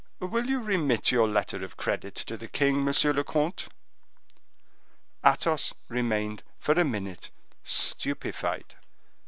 Will you remit your letter of credit to the king, monsieur le comte?" Athos remained for a minute stupefied.